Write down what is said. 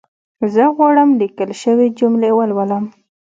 زه غواړم ليکل شوې جملي ولولم